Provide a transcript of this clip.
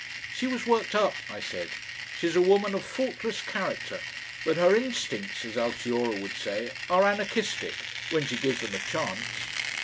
"She was worked up," I said. "She's a woman of faultless character, but her instincts, as Altiora would say, are anarchistic when she gives them a chance."